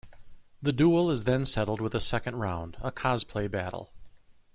The duel is then settled with a second round, a cosplay battle.